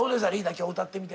今日歌ってみて。